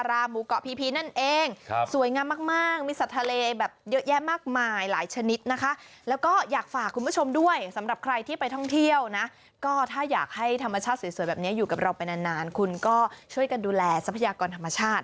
หมูเกาะพีพีนั่นเองสวยงามมากมีสัตว์ทะเลแบบเยอะแยะมากมายหลายชนิดนะคะแล้วก็อยากฝากคุณผู้ชมด้วยสำหรับใครที่ไปท่องเที่ยวนะก็ถ้าอยากให้ธรรมชาติสวยแบบนี้อยู่กับเราไปนานคุณก็ช่วยกันดูแลทรัพยากรธรรมชาติ